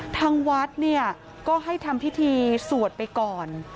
ทั้งวัดก็ให้ทำพิธีสวดไปก่อน